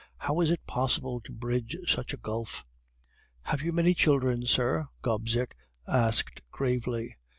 'How is it possible to bridge such a gulf?' "'Have you many children, sir?' Gobseck asked gravely.